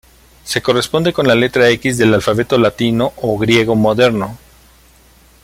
Se corresponde con la letra X del alfabeto latino o griego moderno.